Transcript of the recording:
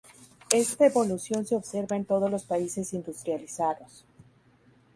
Esta evolución se observa en todos los países industrializados.